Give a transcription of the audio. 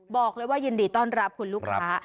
บอกเลยว่ายินดีต้อนรับคุณลูกค้า